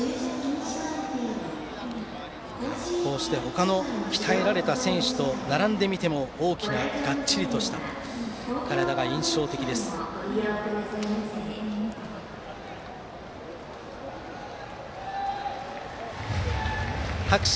ほかの鍛えられた選手と並んでみても大きながっちりした体が印象的です、熊谷投手。